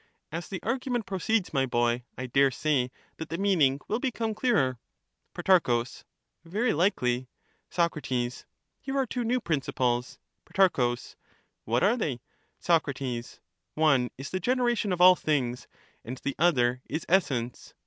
As the argument proceeds, my boy, I dare say that 54 the meaning will become clearer. Pro. Very likely. Soc. Here are two new principles. Pro. What are they ? Soc. One is the generation of all things, and the other is essence.